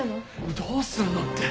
どうすんのって。